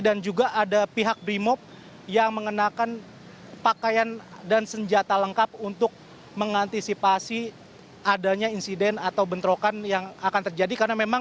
dan juga ada pihak bremob yang mengenakan pakaian dan senjata lengkap untuk mengantisipasi adanya insiden atau bentrokan yang akan terjadi